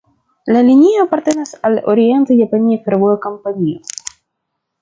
La linio apartenas al Orient-Japania Fervoja Kompanio.